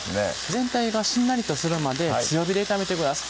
全体がしんなりとするまで強火で炒めてください